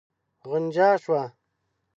غنجا شوه.